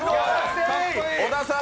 小田さん